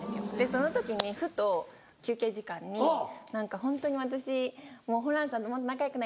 その時にふと休憩時間に「ホントに私ホランさんともっと仲良くなりたい。